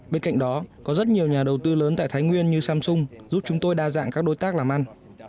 bên cạnh đó có rất nhiều nhà đầu tư lớn tại thái nguyên như samsung giúp chúng tôi đa dạng các đối tác làm ăn